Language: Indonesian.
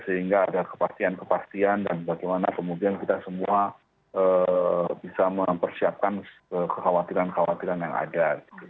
sehingga ada kepastian kepastian dan bagaimana kemudian kita semua bisa mempersiapkan kekhawatiran kekhawatiran yang ada